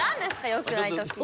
よくない時って。